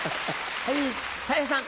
たい平さん。